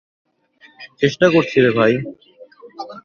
চেষ্টা করছিরে ভাই!